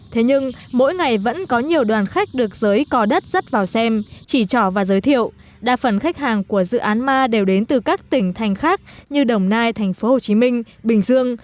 thế nhưng mỗi ngày vẫn có nhiều đoàn khách được giới cò đất dắt vào xem chỉ trò và giới thiệu đa phần khách hàng của dự án ma đều đến từ các tỉnh thành khác như đồng nai tp hcm bình dương